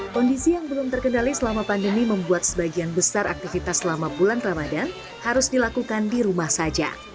kondisi yang belum terkendali selama pandemi membuat sebagian besar aktivitas selama bulan ramadan harus dilakukan di rumah saja